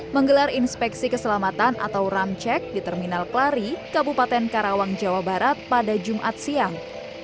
menggelar inspeksi keselamatan atau ramcek di terminal kelari kabupaten karawang jawa barat pada jumat siang